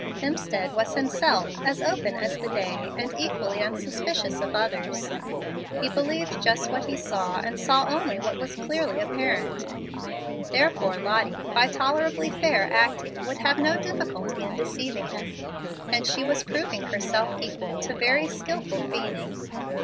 Hemstead was himself as open as the day and equally unsuspicious of others. He believed just what he saw, and saw only what was clearly apparent. Therefore Lottie, by tolerably fair acting, would have no difficulty in deceiving him, and she was proving herself equal to very skilful feigning.